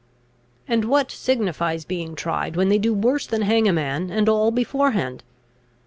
"And what signifies being tried, when they do worse than hang a man, and all beforehand?